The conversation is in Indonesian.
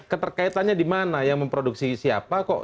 keterkaitannya dimana yang memproduksi siapa kok